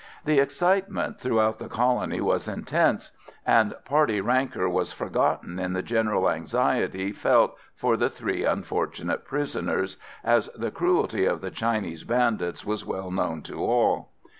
The excitement throughout the colony was intense, and party rancour was forgotten in the general anxiety felt for the three unfortunate prisoners, as the cruelty of the Chinese bandits was well known to all.